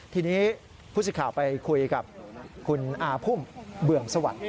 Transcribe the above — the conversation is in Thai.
ทีนี้ผู้สิทธิ์ข่าวไปคุยกับคุณอาพุ่มเบื่องสวัสดิ์